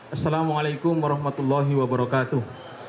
assalamualaikum warahmatullahi wabarakatuh